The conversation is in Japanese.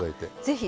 ぜひ。